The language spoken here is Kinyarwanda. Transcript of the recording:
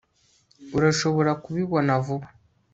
urashobora kubibona vuba